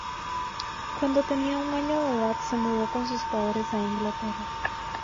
Cuando tenía un año de edad se mudó con sus padres a Inglaterra.